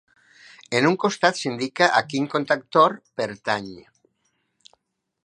En un costat s'indica a quin contactor pertany.